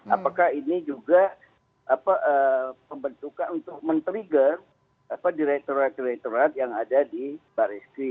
apakah ini juga pembentukan untuk men trigger direkturat direkturat yang ada di baris krim